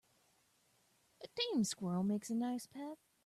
A tame squirrel makes a nice pet.